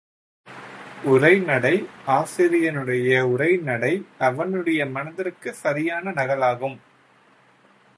உரைநடை ஆசிரியனுடைய உரை நடை அவனுடைய மனத்திற்குச் சரியான நகலாகும்.